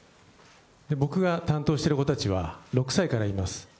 僕が担当してる子たちは、６歳からいます。